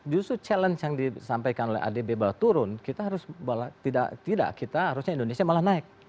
justru challenge yang disampaikan oleh adb bahwa turun kita harusnya indonesia malah naik